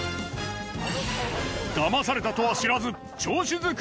騙されたとは知らず調子づく